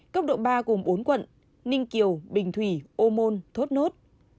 cấp độ ba gồm bốn quận ninh kiều bình thủy ô môn thốt nốt